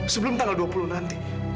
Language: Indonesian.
sebelum tanggal dua puluh nanti